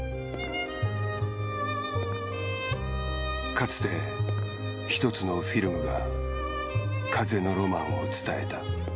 かつてひとつのフィルムが風のロマンを伝えた。